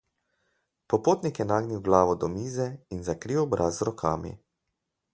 Popotnik je nagnil glavo do mize in zakril obraz z rokami.